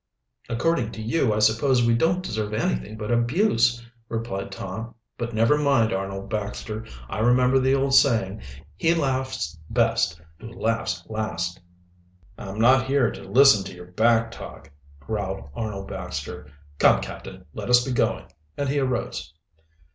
"According to you, I suppose we don't deserve anything but abuse," replied Tom. "But, never mind, Arnold Baxter; remember the old saying, 'He laughs best who laughs last.'" "I'm not here to listen to your back talk," growled Arnold Baxter. "Come, captain, let us be going," and he arose.